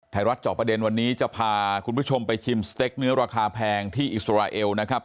เจาะประเด็นวันนี้จะพาคุณผู้ชมไปชิมสเต็กเนื้อราคาแพงที่อิสราเอลนะครับ